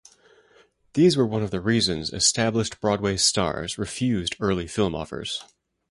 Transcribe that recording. These were one of the reasons established Broadway stars refused early film offers.